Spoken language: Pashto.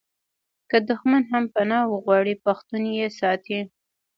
که دښمن هم پنا وغواړي پښتون یې ساتي.